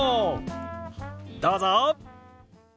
どうぞ！